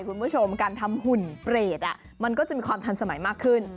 คุณผู้ชมการทำหุ่นเปรตมันก็จะมีความทันสมัยมากขึ้น